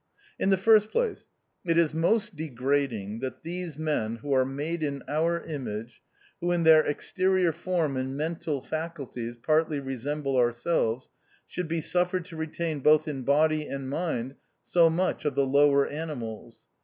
In the first place, it is most degrading that these men who are made in our image, who in their exterior form and mental facul ties partly resemble ourselves, should be suffered to retain both in body and mind so much of the lower animals.